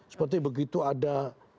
seperti begitu ada